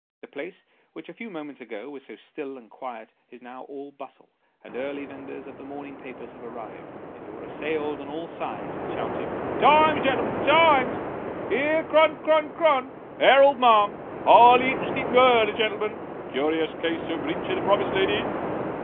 The place, which a few minutes ago was so still and quiet, is now all bustle ; the early vendors of the morning papers have arrived, and you are assailed on all sides with shouts of " Times, gen'lm'n, Times," " Here's Chron Chron Chron," " Herald, ma'am," " Highly interesting murder, gen'lm'n," " Curious case o' breach o' promise, ladies."